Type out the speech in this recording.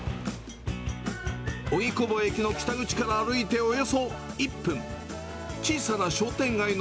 荻窪駅の北口から歩いておよそ１分。